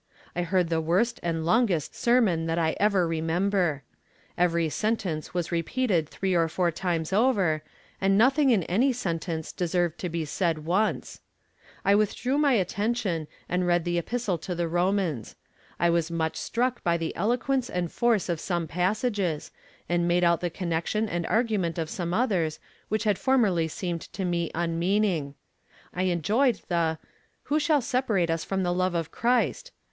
I heard the worst and longest sermon that I ever remember. Every sentence was repeated three or four times over, and nothing in any sentence deserved to be said once. I withdrew my attention and read the Epistle to the Romans. I was much struck by the eloquence and force of some passages, and made out the connection and argument of some others which had formerly seemed to me unmeaning. I enjoyed the "_Who shall separate us from the love of Christ?